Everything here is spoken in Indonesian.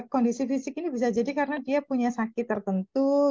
kondisi fisik ini bisa jadi karena dia punya sakit tertentu